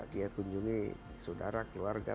dia kunjungi saudara keluarga